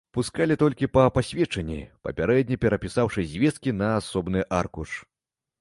Пускалі толькі па пасведчанні, папярэдне перапісаўшы звесткі на асобны аркуш.